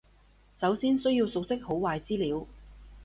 首先需要熟悉好壞資料